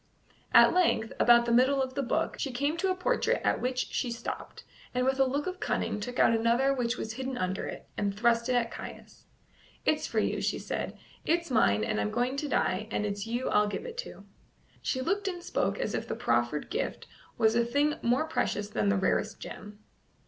At length, about the middle of the book, she came to a portrait at which she stopped, and with a look of cunning took out another which was hidden under it, and thrust it at Caius. "It's for you," she said; "it's mine, and I'm going to die, and it's you I'll give it to." She looked and spoke as if the proffered gift was a thing more precious than the rarest gem.